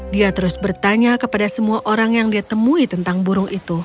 dia terus bertanya kepada semua orang yang dia temui tentang burung itu